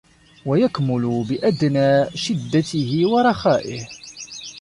وَيَكْمُلُ بِأَدْنَى شِدَّتِهِ وَرَخَائِهِ